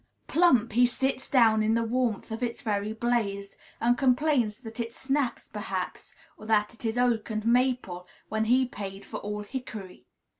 Plump he sits down in the warmth of its very blaze, and complains that it snaps, perhaps, or that it is oak and maple, when he paid for all hickory.